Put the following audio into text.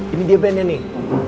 ini dia bandnya nih